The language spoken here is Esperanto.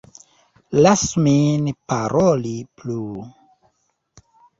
Lasu min paroli plu!